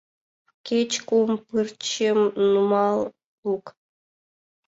Кеч кум пырчым нумал лук.